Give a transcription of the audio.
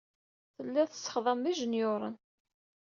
Tellid tessexdamed ijenyuṛen.